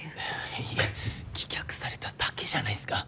いやいやいや棄却されただけじゃないっすか。